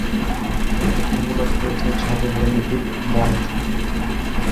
এটি অনুবাদ করেছেন সাধু বেনেডিক্ট মঠ।